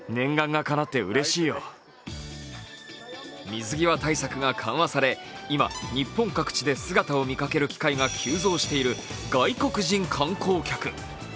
水際対策が緩和され今日本各地で姿を見かける機会が急増している外国人観光客。